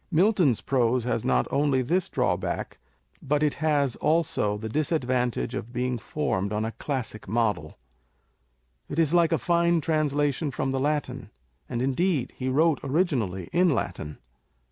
Milton's prose has not only this draw back, but it has also the disadvantage of being formed on a classic model. It is like a fine translation from the Latin ; and indeed, he wrote originally in Latin.